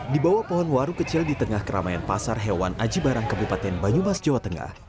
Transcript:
di bawah pohon warung kecil di tengah keramaian pasar hewan aji barang kebupaten banyumas jawa tengah